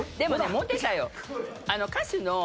モテたよ